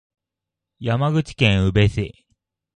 山口県宇部市